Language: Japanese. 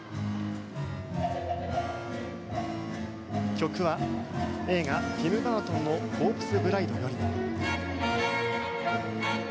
曲は、映画「ティム・バートンのコープスブライド」より。